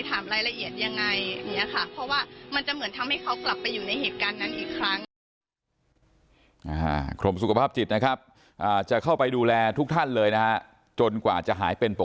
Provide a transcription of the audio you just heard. ถามรายละเอียดยังไงอย่างนี้ค่ะเพราะว่ามันจะเหมือนทำให้เขากลับไปอยู่ในเหตุการณ์นั้นอีกครั้ง